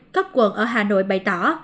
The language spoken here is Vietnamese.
cấp quần ở hà nội bày tỏ